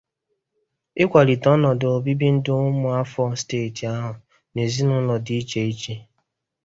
ịkwalite ọnọdụ obibindụ ụmụafọ steeti ahụ na ezinụlọ dị icheiche